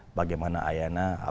memantilkan muda juga ya